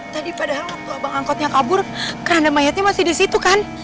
tadi padahal waktu abang angkotnya kabur keranda mayatnya masih di situ kan